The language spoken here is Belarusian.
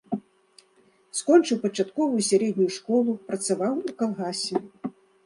Скончыў пачатковую сярэднюю школу, працаваў у калгасе.